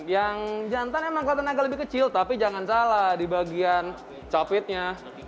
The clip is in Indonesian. yang jantan emang kalau tenaga lebih kecil tapi jangan salah di bagian capitnya